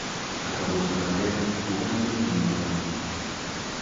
Acabó su carrera jugando en Líbano.